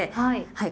はい！